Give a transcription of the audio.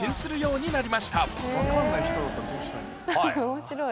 面白い。